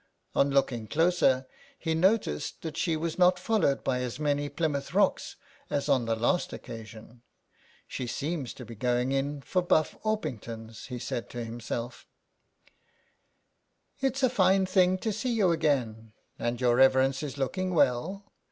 On looking closer he noticed that she was not followed by as many Plymouth Rocks as on the last occasion. '' She seems to be going in for Buff Orpingtons," he said to himself " It's a fine thing to see you again, and your reverence is looking well.